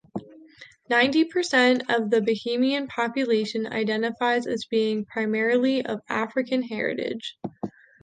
Ninety percent of the Bahamian population identifies as being primarily of African heritage.